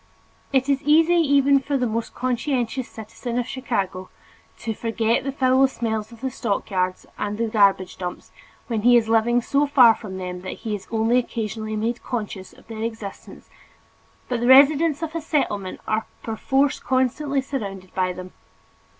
It is easy for even the most conscientious citizen of Chicago to forget the foul smells of the stockyards and the garbage dumps, when he is living so far from them that he is only occasionally made conscious of their existence but the residents of a Settlement are perforce constantly surrounded by them.